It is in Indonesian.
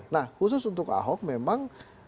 nah khusus untuk ahok memang